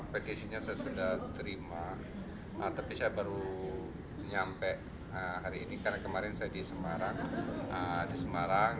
petisi nya sayaological prima tapi saya baru sampai hari ini karena kemarin saya di semarang